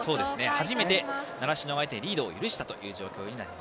初めて習志野はリードを許したという状況です。